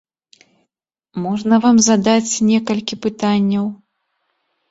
Можна вам задаць некалькі пытанняў?